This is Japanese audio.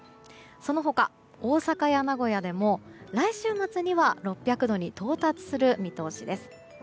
その他、大阪や名古屋でも来週末には６００度に到達する見通しです。